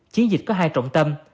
chiến dịch có hai trọng tâm